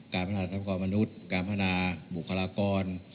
การพนาศัพท์กรมนุษย์การพนาศัพท์บุคลากร